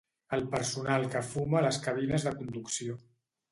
El personal que fuma a les cabines de conducció.